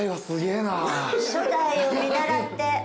初代を見習って。